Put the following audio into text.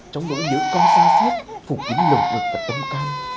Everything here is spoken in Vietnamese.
trong nỗi nhớ con xa xếp phục vấn lộn lực và tâm can